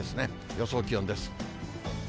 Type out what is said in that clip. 予想気温です。